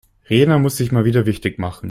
Rena muss sich mal wieder wichtig machen.